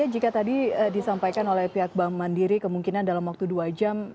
jika tadi disampaikan oleh pihak bank mandiri kemungkinan dalam waktu dua jam